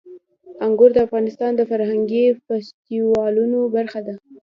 انګور د افغانستان د فرهنګي فستیوالونو برخه ده.